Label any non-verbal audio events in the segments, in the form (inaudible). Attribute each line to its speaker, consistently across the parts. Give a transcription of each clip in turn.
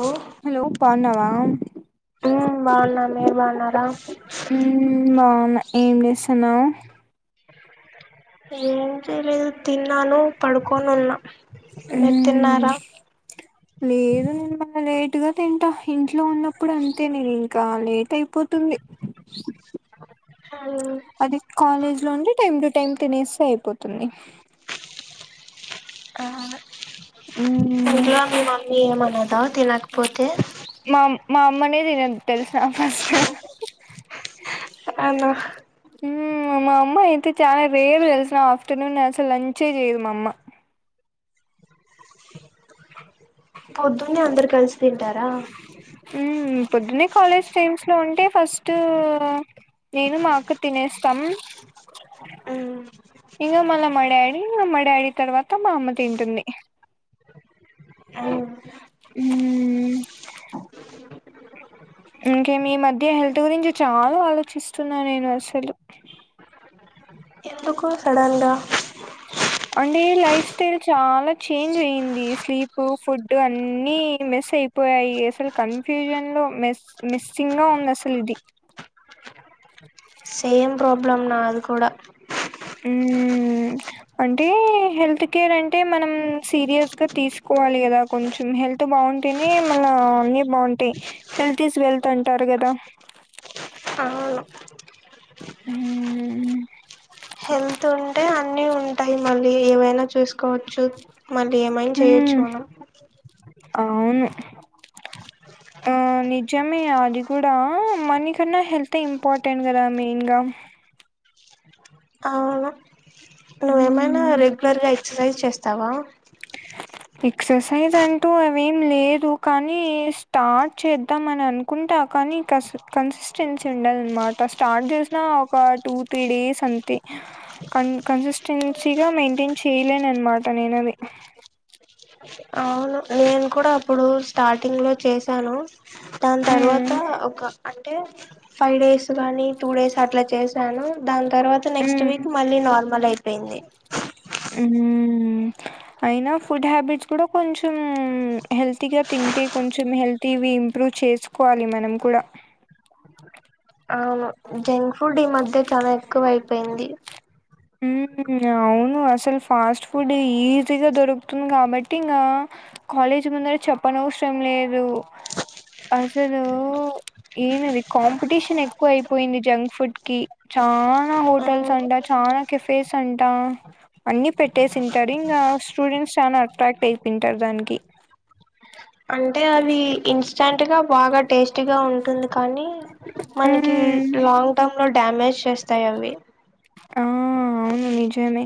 Speaker 1: ఓ
Speaker 2: hello బాగున్నావా
Speaker 1: బావున్నా మీరు బాన్నారా
Speaker 2: మ్మ్ బాగున్నా ఏం చేస్తున్నావు
Speaker 1: ఏం చేలేదు తిన్నాను పడుకోను ఉన్నా మీరు
Speaker 2: ఉమ్
Speaker 1: తిన్నారా
Speaker 2: లేదు లేటుగా తింట ఇంట్లో ఉన్నప్పుడు అంతే నేను ఇంకా లేట్ అయిపోత్ తుంది అది కాలేజ్ లోండి టైమ్ టు టైమ్ తినేస్తే అయిపోతున్
Speaker 1: ఆ
Speaker 2: మ్మ్
Speaker 1: ఇంట్లో మీ మమ్మీ ఎం అనదా తినక పోతే
Speaker 2: మామ్ మా అమ్మనే తినదు తెల్సా ఫస్ట్
Speaker 1: అను
Speaker 2: ఊమ్ మా అమ్మ అయితే చాలా రేరు తెల్సా. ఆఫ్టర్నూన్ అసలు లంచే చేయదు మా అమ్మ.
Speaker 1: పొద్దున్నే అందరు కలిసి తింటారా
Speaker 2: మ్మ్ పొద్దున్నే కాలేజ్ టైమ్స్ లో ఉంటే ఫస్ట్ నేను మా అక్క తినేస్తాం.
Speaker 1: ఊ
Speaker 2: ఇంగ మళ్ళ మా డాడీ అమ్మ డాడీ తర్వాత మా అమ్మ తింటుంది.
Speaker 1: అవు
Speaker 2: మ్మ్ ఇంకేమి మధ్య హెల్త్ గురించి చాలా ఆలోచిస్తున్నా నేను అసలు
Speaker 1: ఎందుకు సడన్ గా
Speaker 2: అంటే లైఫ్ స్టైల్ చాలా చేంజ్ అయింది. స్లీప్ ఫుడ్ అన్నీ మిస్ అయిపోయాయి. అసలు కన్ఫ్యూజన్ లో మిస్ మిస్సింగ్ ఉంది అసలు ఇది.
Speaker 1: సేమ్ ప్రాబ్లం నాది కూడ
Speaker 2: ఊమ్ అంటే హెల్త్ కేర్ అంటే మనం సీరియస్గా తీసుకోవాలి. కదా కొంచెం హెల్త్ బాగుంటేనే మళ్ళ అన్నీ బాగుంటాయి. హెల్త్ ఈజ్ వెల్త్ అంటారు కదా.
Speaker 1: అవును
Speaker 2: హూ
Speaker 1: టైం మళ్ళీ ఏవైనా చూసుకోవచ్చు. మళ్ళీ ఏమైనా చేయొచ్చు మనం
Speaker 2: అవును ఆ నిజమే అది కూడా మనీకన్నా హెల్త్ ఇంపార్టెంట్ కదా మెయిన్గా
Speaker 1: నా
Speaker 2: మ్మ్.
Speaker 1: రెగులర్గా ట్రై చేస్తావా
Speaker 2: ఎక్సర్సైజ్ అంటూ అవేం లేదు. కానీ స్టార్ట్ చేద్దామ అని అనుకుంటా. కానీ కస్ కన్సిస్టెన్సీ ఉండదునమాట. స్టార్ట్ చేసినా ఒక టూ త్రీ డేస్ అంతే కన్ కన్సిస్టెన్సీగా మెయింటైన్ చేయలేను. అనమాట నేను అది.
Speaker 1: అవును నేను కూడా అప్పుడు స్టార్టింగ్ లో చేశాను. దాని తర్వాత
Speaker 2: మ్మ్.
Speaker 1: ఒక అంటే ఫైవ్ డేస్ గాని టూ డేస్ అట్లా చేసాను దాన్ తర్వాత నెక్స్ట్
Speaker 2: మ్మ్.
Speaker 1: వీక్ మళ్ళీ నార్మల్ అయి డింది
Speaker 2: ఉహుమ్ అయినా ఫుడ్ హ్యాబిట్స్ కూడా కొంచెం హెల్తీగా తింటే, కొంచెం హెల్తీ ఇవి ఇంప్రూవ్ చేసుకోవాలి మనం కూడా.
Speaker 1: అవును జంక్ ఫుడ్ ఈ మధ్య చాలా ఎక్కువయిపోయింది
Speaker 2: ఉ అవును అసలు ఫాస్ట్ ఫుడ్ ఈజీగా దొరుకుతుంది కాబట్టి ఇంకా కాలేజీ ముందర చెప్పనవసరం లేదు అసలు ఈనది కాంపిటీషన్ ఎక్కువ అయిపోయింది జంక్ ఫుడ్ కి చాల హోటల్స్
Speaker 1: అవును
Speaker 2: అంట చాల కే ఫేస్ అంటా అన్ని పెట్టేసింటారు ఇంకా స్టూడెంట్స్ చానా అట్రాక్ట్ అయి తింటారు దానికి
Speaker 1: అంటే అవి ఇన్స్టంట్ గా బాగా టేస్ట్ టిగా ఉంటుంది కానీ మనకి
Speaker 2: హ్మ్.
Speaker 1: లాంగ్ టర్మ్ లో డామేజ్ విశేస్తాయావి
Speaker 2: ఆ అవును నిజమే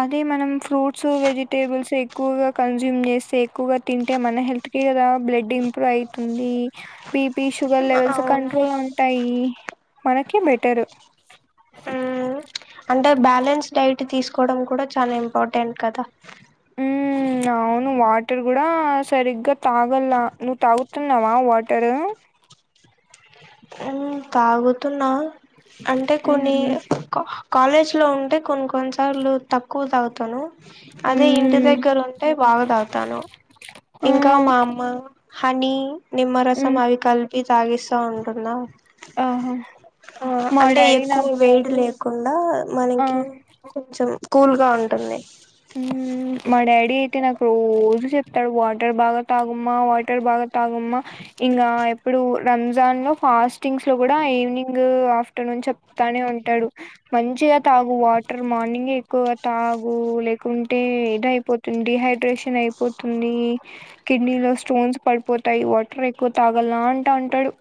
Speaker 2: అదే మనం ఫ్రూట్స్ వెజిటేబుల్స్ ఎక్కువగా కన్సూమ్ చేస్తే ఎక్కువగా తింటే మన హెల్త్ కే కదా బ్లడ్ ఇంప్రూవ్ అయితుంది బీపీ షుగర్ లెవెల్స్
Speaker 1: అవును
Speaker 2: కంట్రోల్ ఉంటాయి మనకే బెటరు
Speaker 1: ఉమ్, అంటే బ్యాలెన్స్ డైట్ బట్టి తీసుకోవడం కూడా చాలా ఇంపార్టెంట్ కదా
Speaker 2: ఉ అవును వాటర్ కూడా సరిగ్గా తాగల నువ్వు తాగుతున్నావా వాటరు
Speaker 1: ఉ తాగుతున్నా అంటే కొన్ని
Speaker 2: మ్మ్
Speaker 1: కాలేజ్ లో ఉంటే కొన్ని కొన్నిసార్లు తక్కువ తాగుతాను అదే ఇంటి
Speaker 2: మ్మ్
Speaker 1: దగ్గర ఉంటే బాగ తాగుతాను
Speaker 2: ఆ
Speaker 1: ఇంకా మా అమ్మ హనీ నిమ్మరసం
Speaker 2: మ్మ్
Speaker 1: అవి కల్ టీ తాగిస్త ఉంటున్నావు
Speaker 2: ఆహా
Speaker 1: ఆ
Speaker 2: మా
Speaker 1: అంటే
Speaker 2: డాడీ
Speaker 1: ఎక్కువ
Speaker 2: నాకు
Speaker 1: వేడి లేపు కుండా
Speaker 2: ఆ
Speaker 1: మనకి కొంచం కూల్ గా ఉంటుంది
Speaker 2: మ్ మా డాడీ అయితే నాకు రోజు చెప్తాడు వాటర్ బాగా తాగమ్మా వాటర్ బాగా తాగమ్మా ఇంకా ఎప్పుడు రంజాన్ లో ఫాస్టింగ్స్ లో కూడా ఈవినింగ్ ఆఫ్టర్నూన్ చెప్ తానే ఉంటాడు మంచిగా తాగు వాటర్ మార్నింగె ఎక్కువగా తాగు లే కుంటే ఇది అయిపోతుంది డిహైడ్రేషన్ అయిపోతుంది కిడ్నీ లో స్టోన్స్ పడిపోతు టాయి వాటర్ ఎక్కువ తాగలా అంట ఉంటాడు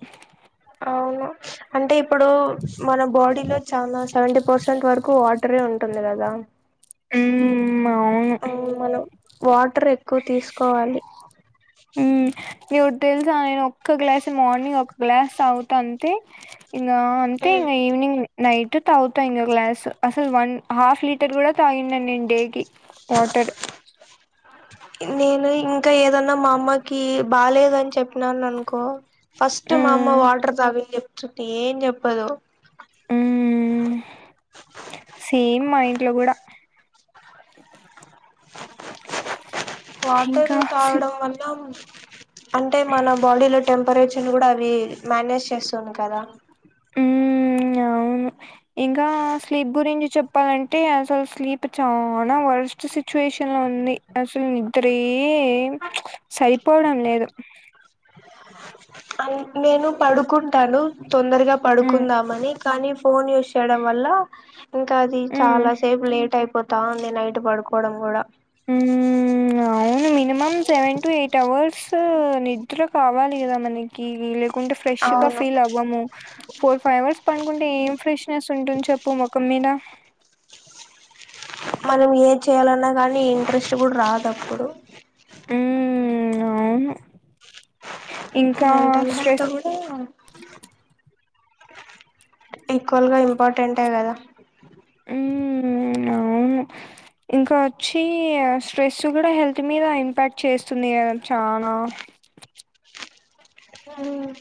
Speaker 1: అవును అంటే ఇపు ప్పుడు మన బాడీ లో చాలా సెవెంటీ పర్సెంట్ వరకు వాట్ టుర్రె ఉంటుంది కదా
Speaker 2: ఉమ్ ఉమ్
Speaker 1: ఆ మనం
Speaker 2: అవును
Speaker 1: వాటర్ ఎక్కువ తీసు కోవాలి
Speaker 2: మ్మ్ నీకు ఒకటి తెలుస నేను ఒక్క గ్లాస్ మార్నింగ్ ఒక గ్లాస్ తాగుతా అంతే ఇంగా అంటే
Speaker 1: మ్మ్
Speaker 2: ఇంగా ఈవినింగ్ నైట్ తాగుతా ఇంగ గ్లాస్ అసలు వన్ హాఫ్ లీటర్ కూడా తాగిండడి నేను డేకి వాటర్
Speaker 1: నేను ఇంకా ఏదన్నా మా అమ్మకి బాలేదని చెప్పినాను అనుకో ఫస్ట్ మా అమ్మ
Speaker 2: మ్మ్
Speaker 1: వాటర్ తాగు అని చెప్తుంది ఏం చెప్పదు
Speaker 2: ఉమ్ సేమ్ మా ఇంట్లో కూడా
Speaker 1: (inaudible)
Speaker 2: ఇంకా
Speaker 1: వాటరు తాగడం వల్ల అంటే మన బాడీలో టెం పరేచర్ని కూడా అది మేనేజ్ చేస్తుంది కదా
Speaker 2: ఉమ్ అవును ఇంకా స్లీప్ గురించి చెప్పాలంటే అసలు స్లీప్ చాలా వర్స్ట్ సిచ్యుయేషన్ లో ఉంది అస నిద్రే సరిపోవడం లేదు
Speaker 1: ఆ నేను పడుకుంటాను తొందరగా
Speaker 2: మ్మ్
Speaker 1: పడుకుందామని కానీ ఫోన్ యూస్ చేయడం వల్ల ఇంకా అది
Speaker 2: మ్మ్
Speaker 1: చాలా సేపు లేట్ అయిపోత్ తా ఉంది నైట్ పడుకోవడం కూడా
Speaker 2: హ్మ్ అవును minimum seven to eight hours నిద్ర కావాలి కదా మనకి లేక్ కుంటే ఫ్రెష్గా
Speaker 1: అవును
Speaker 2: ఫీల్ అవ్వము ఫోర్ ఫైవ్ అవర్స్ పనుకుంటే ఏం ఫ్రెష్నెస్ ఉంటుంది చెప్పు ముఖం మీద
Speaker 1: మనం ఏ చేయాలన్నా కానీ ఇంట్రెస్ట్ కూడా రాదు అప్పుడు
Speaker 2: ఉమ్ అవున్
Speaker 1: మెంటల్ హెల్త్ కూడా ఈక్వల్గా ఇంపార్టెంటే కదా
Speaker 2: హ్మ్ హు అవును ఇంకా వచ్చి స్ట్రెస్ కూడా హెల్త్ మీద ఇంపాక్ట్ చేస్తుంది కదా చనా
Speaker 1: హ్మ్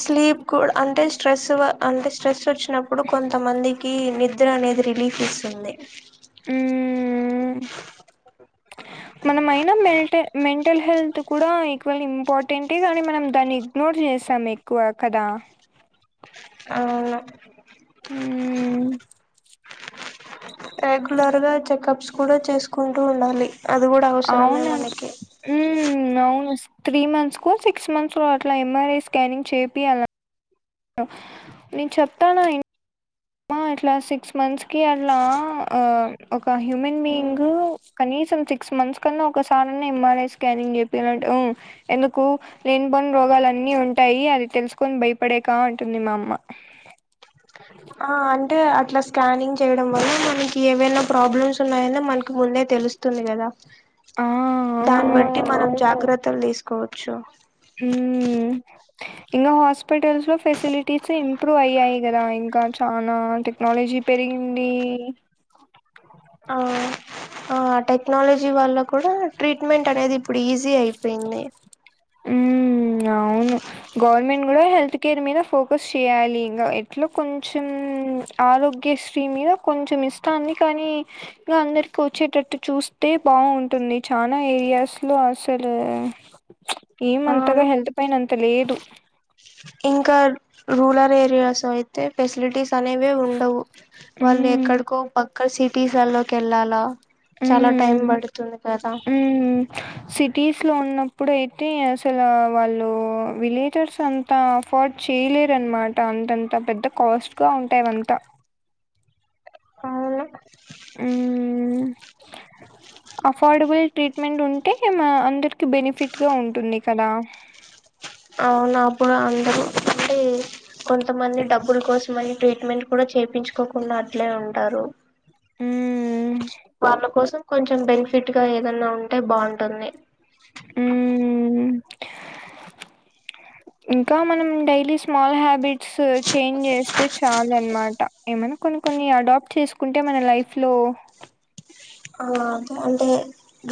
Speaker 1: స్లీప్ కూడా అంటే స్ట్రెస్ వ అంటే స్ట్రెస్ వచ్చ ప్పుడు కొంత మందికి నిద్ర నిద్ర అనేది రిలీఫ్ ఇస్తుంది
Speaker 2: హ్మ్మ్ హ్మ్ మనమయినా మిల్టే మెంటల్ హెల్త్ కూడా ఈక్వల్ ఇంపార్టెంటే కానీ మనం దాన్ని ఇగ్నోర్ చేసాం ఎక్కువ కదా
Speaker 1: అవును
Speaker 2: ఉమ్
Speaker 1: రెగ్యులర్గా చెకప్స్ కూడా చేసుకుంటు ఉండాలి అది కూడా అవసరమే
Speaker 2: అవునం
Speaker 1: మనకి
Speaker 2: ఉమ్ అవును త్రీ మంత్స్ కొ సిక్స్ మంత్స్ కొ అట్లా ఎంఆర్ఐ స్కానింగ్ చేపి యల నేను చెప్తాన్న అమ్ అట్లా సిక్స్ మంత్స్ కి అట్లా ఒక హ్యూమన్ బీయింగ్ కనీసం సిక్స్ మంత్స్ కన్నా ఒక్కసారన్నా ఎంఆర్ఐ స్కానింగ్ చేపియ్యాలంట హు ఎందుకు లేని పొని రోగాలు అన్నీ ఉంటాయి అది తెలుసుకొని భయపడేక అంటుంది మా అమ్మ
Speaker 1: అ (inaudible) టె అట్లా స్కానింగ్ చేయడం వల్ల మనకి ఏవైనా ప్రాబ్లమ్స్ ఉన్నాయని మనకు ముందే తెలుస్తుంది తుంది కదా
Speaker 2: ఆ
Speaker 1: దాన్ని
Speaker 2: అవును
Speaker 1: బట్టి మనం జాగ్రత్త త్తలు తీసుకోవచ్చు
Speaker 2: హ్మ్ ఇంగా హాస్పిిటల్స్ ఫెసిలిటీస్ ఇంప్రూవ అయయి గ ఇంకా చనా టెక్నాలజీ పెరిగింది
Speaker 1: ఆ ఆ టెక్నాలజీ వల్ల కూడా ట్రీట్మెంట్ అనేది ఈజీ అయిపోయియి
Speaker 2: ఉమ్ అవును గవర్నమెంట్ కూడా హెల్త్ కేర్ మీద ఫోకస్ చేయాలి ఇంకా ఎట్లా కొంచెం ఆరోగ్యశ్రీ మీద కొంచెం ఇస్తాంది కానీ ఇంకా అందరికి వచ్చేటట్టు చూస్తే బాగుంటుంది చాలా ఏరియాస్ లో అసలు ఏం అంతగా
Speaker 1: అవును
Speaker 2: హల్త్ పైన్ంత లేదు
Speaker 1: ఇంకా రూరల్ ఏరియాస్ అయితే ఫెసిలిటీస్ అనేవే ఉండవు వాళ్ళు
Speaker 2: హ్మ్
Speaker 1: ఎక్కడికో పాక్ అక్కడ సిటీస్లల్లోకి వెళ్ళాలా చాలా టైం
Speaker 2: ఉమ్
Speaker 1: పడుతుంది కదా
Speaker 2: ఉమ్ సిట్ టీస్ లో ఉన్నప్పుడు అయితే అసలు వాళ్ళు విలేజర్స్ అంతా అఫోర్డ్ చేయలేరనమాట అంతంత పెద్ద కాస్ట్గా ఉంటావంతా
Speaker 1: అవును
Speaker 2: ఉమ్ అఫోర్డబుల్ ట్రీట్మెంట్ ఉంటే మా అందరికి బెనిఫిట్గా ఉంటుంది కదా
Speaker 1: అవునాప్పుడు అందరూ అంటే కొంతమంది డబ్బుల కోసంమని మెట్ కూడా చేయించుకోకుండా అట్లే ఉంటారు
Speaker 2: హ్మ్.
Speaker 1: వాల కోసం కొంచెం బెనిఫిట్ గా ఏదన్నా ఉంటే బాగుంటుంది
Speaker 2: హ్మ్. ఇంకా మనం డైలీ స్మాల్ హ్యాబిట్స్ చేంజ్ చేస్తే చాల అనమాట ఏమైనా కొన్ని కొన్ని అడాప్ట్ చేసుకుంటే మన లైఫ్లో
Speaker 1: ఆ అదే అంటే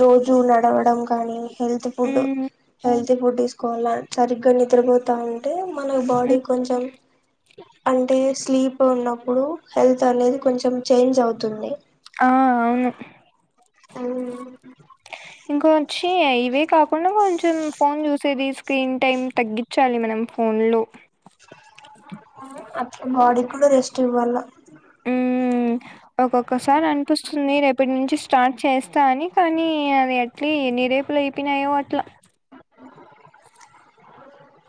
Speaker 1: రోజు నడవడం కానీ హెల్త్ ఫుడ్
Speaker 2: హ్మ్.
Speaker 1: హెల్త్ ఫుడ్ తీసుకోవాల సరిగ్గా నిద్రపోతా ఉంటే మన బాడీ
Speaker 2: హ్మ్.
Speaker 1: కొంచెం అంటే స్లీప్ ఉన్నప్పుడు హెల్త్ అనేది కొంచెం చేంజ్ అవుతుంది
Speaker 2: ఆ అవును ఇంకాచ్చ ఇ ఇవే కా ఉ కొంచెం ఫోన్ చెస్ సది స్క్రీన్ టైం తగ్గించాలి మనం ఫోన్ లో
Speaker 1: అే బాడీ కూడా రెస్ట్ ఇవ్వాలా
Speaker 2: ఉమ్. ఒకోక్క సార్ అనిపిస్తుంది, రేపటి నుంచి స్కూ. స్టార్ట్ చేస్తా అని, కానీ అది ఎట్లీ ఎన్ని రేపులు అయిపోయినాయో అట్లా.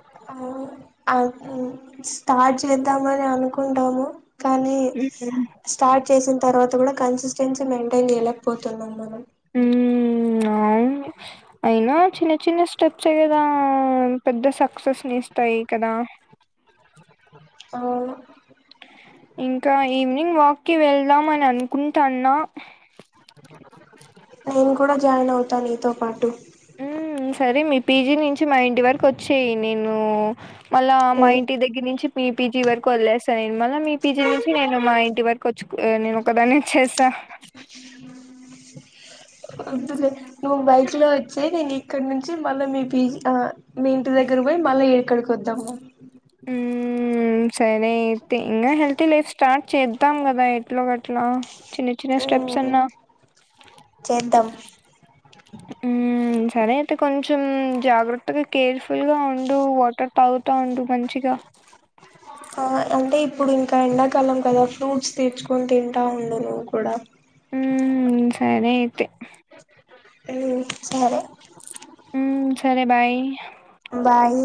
Speaker 1: (unintelligible) ఆ స్టార్ట్ చేద్దామని అనుకుంటాము. కానీ
Speaker 2: హ్మ్.
Speaker 1: స్టార్ట్ చేసింద్. తర్వాత గూడా కన్సిస్టెన్సీ మెయింటైన్ చేయలేకపోతున్నాం మనం.
Speaker 2: హుమ్మ్. హుమ్మ్ అవును. అయినా చిన్న చిన్న స్టెప్స్ కదా పెద్ద స. సక్సెస్ని ఇస్తాయి కదా.
Speaker 1: అవును.
Speaker 2: ఇంకా ఈవినింగ్ వాక్ కి వెళ్దాం అని అనుకుంటాన్నా.
Speaker 1: అవున్. కూడా జాయిన్ అవుతా, నీతో పాటు.
Speaker 2: మ్మ్ సరే మీ పీజీ నుంచి, మా ఇంటి వరకు ఓచ్చేయి నేను. మళ్ళా మా ఇంటి దగ్గర్ నుంచి. మీ పీజీ వరకు వదిలేస్తా నేను, మళ్ళ మీ పీజీ నుంచి నేను మా ఇంటి వరకు ఓచ్చు. ఏ నేన్ ఒకదాన్నే చేసా.
Speaker 1: (unintelligible) నువ్ బైక్ లో వచ్చేయి, నేన్ నీక్. ఇక్కడ నుంచి మళ్ళా మీ పీజీ, ఆ మీ ఇంటి దగ్గర్ పోయి మళ్ళ ఇక్కడికి ఓద్దాము.
Speaker 2: ఉమ్ సరే అయితే, ఇంగా హెల్తీ లైఫ్ స్టార్ట్ చేద్దాం గాదా, ఎట్లో గట్లా. చిన్న, చిన్న స్టెప్స్ అన్నా.
Speaker 1: చేద్దాం.
Speaker 2: ఉమ్ సరే అయితే కొంచెం జాగ్రత్తగా కేర్ఫుల్గా ఉండు, వాటర్ తాగుత ఉండు మంచిగా.
Speaker 1: ఆ అంటే ఇప్పుడు ఇంకా ఎండాకాలం కదా, ఫ్రూట్స్ తెచ్చుకొని తింటా ఉండు, నువ్వు కూడా. (inaudible)
Speaker 2: ఉమ్ సరే అయితే.
Speaker 1: ఉమ్ సరే.
Speaker 2: ఉమ్ సరే బాయ్.
Speaker 1: బాయ్.